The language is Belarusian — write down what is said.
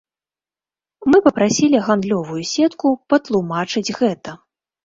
Мы папрасілі гандлёвую сетку патлумачыць гэта.